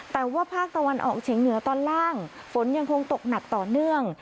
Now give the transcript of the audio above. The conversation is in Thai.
แต่ว่าภาคตะวันออกเฉียงเหนือตอนล่างฝนยังคงตกหนักต่อเนื่อง